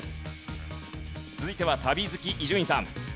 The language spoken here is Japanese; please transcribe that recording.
続いては旅好き伊集院さん。